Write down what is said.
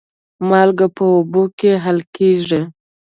مالګه په اوبو کې حل کېږي.